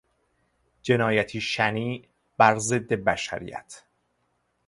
جنایتی شنیع بر ضد بشریت